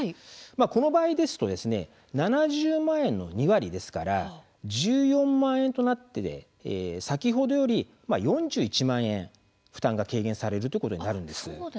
この場合ですと７０万円の２割ですから１４万円となって先ほどより４１万円負担が軽減されるということになります。